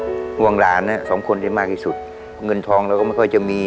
ห่วงหลานสองคนได้มากที่สุดเงินทองเราก็ไม่ค่อยจะมี